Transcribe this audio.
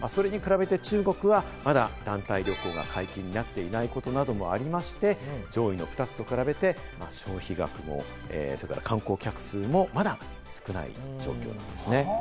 それに比べて中国はまだ団体旅行が解禁になっていないことなどもありまして、上位の２つと比べて、消費額も観光客数もまだ少ない状況なんですね。